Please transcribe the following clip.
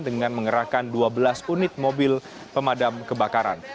dengan mengerahkan dua belas unit mobil pemadam kebakaran